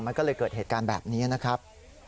มันก็เลยเกิดเหตุการณ์แบบนี้นะครับ